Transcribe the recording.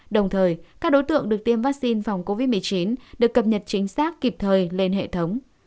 đồng thời các đối tượng được tiêm vaccine phòng covid một mươi chín được cập nhật chính xác kịp thời lên hệ thống